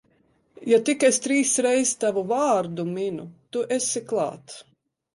Ja tik es trīs reiz tavu vārdu minu, tu esi klāt.